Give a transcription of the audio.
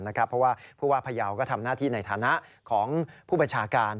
เพราะว่าผู้ว่าพยาวก็ทำหน้าที่ในฐานะของผู้บัญชาการ